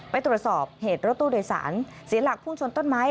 ไปตรวจสอบเหตุรถตู้โดยสารเสียหลักพุ่งชนต้นไม้